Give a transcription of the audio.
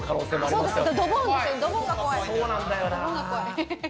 そうなんだよな。